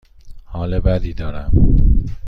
حال بدی دارم.